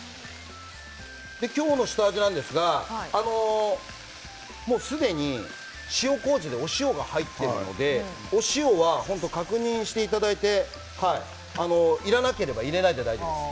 今日の下味なんですがもうすでに、塩こうじでお塩が入っているのでお塩は確認していただいていらなければ入れないで大丈夫です。